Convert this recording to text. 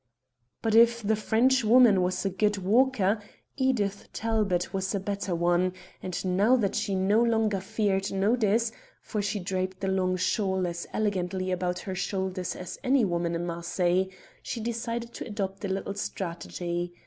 But if the Frenchwoman was a good walker, Edith Talbot was a better one, and now that she no longer feared notice for she draped the large shawl as elegantly about her shoulders as any woman in Marseilles she decided to adopt a little strategy.